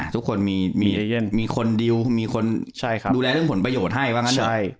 ทุกคนมีคนดูแลเรื่องผลประโยชน์ให้